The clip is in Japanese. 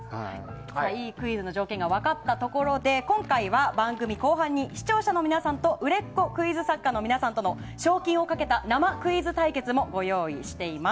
いいクイズの条件が分かったところで今回は、番組の後半に視聴者の皆さんと売れっ子クイズ作家の皆さんとの賞金をかけた生クイズ対決もご用意しています。